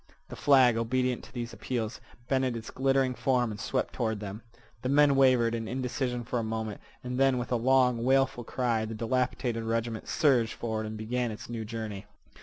The flag, obedient to these appeals, bended its glittering form and swept toward them. The men wavered in indecision for a moment, and then with a long, wailful cry the dilapidated regiment surged forward and began its new journey.